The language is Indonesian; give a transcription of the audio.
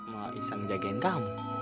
mau bisa ngejagain kamu